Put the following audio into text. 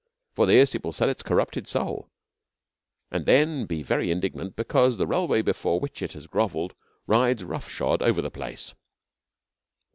For this it will sell its corrupted soul, and then be very indignant because the railway before which it has grovelled rides rough shod over the place.